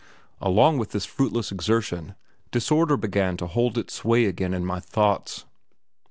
Along with this fruitless exertion, disorder began to hold its sway again in my thoughts.